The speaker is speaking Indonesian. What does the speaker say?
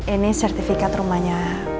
ini sertifikat rumahnya